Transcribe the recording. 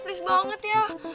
please banget ya